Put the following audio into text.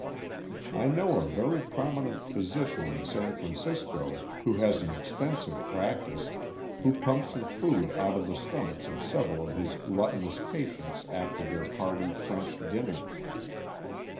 I know a very prominent physician in San Francisco, who has an extensive practice, who pumps the food out of the stomachs of several of his gluttonous patients after their hearty French dinners.